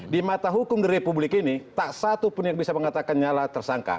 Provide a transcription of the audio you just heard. di mata hukum di republik ini tak satupun yang bisa mengatakan nyala tersangka